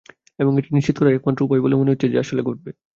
এবং-- -এটি নিশ্চিত করার একমাত্র উপায় বলে মনে হচ্ছে যে আসলে ঘটবে।